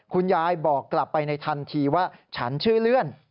คุณยายบอกกลับไปในทันทีว่าฉันชื่อเลื่อน